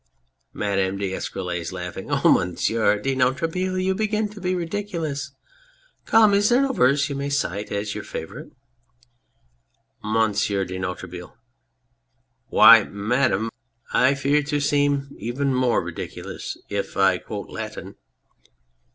... MADAME D'ESCUROLLES. Oh ! Monsieur de Noiretable, you begin to be ridiculous. Come, is there no verse you may cite as your favourite ? MONSIEUR DE NOIRETABLE. Why, Madame, I fear to seem even more ridiculous if I quote Latin.